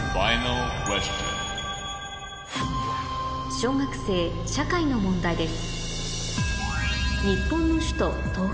小学生社会の問題です